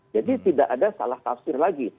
jadi tidak ada salah tafsir lagi